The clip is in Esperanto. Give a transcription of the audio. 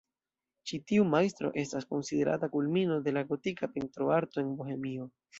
Ĉi tiu majstro estas konsiderata kulmino de la gotika pentroarto en Bohemio.